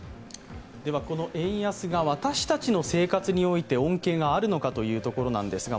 円安が私たちの生活において恩恵があるのかということですが